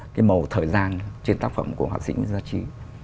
cái màu thời gian trên tác phẩm của hoạt sinh nguyễn giang trí